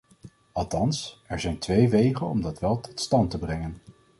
Althans, er zijn twee wegen om dat wel tot stand te brengen.